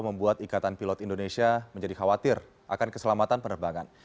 membuat ikatan pilot indonesia menjadi khawatir akan keselamatan penerbangan